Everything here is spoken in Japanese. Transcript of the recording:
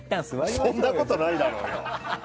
そんなことないだろう。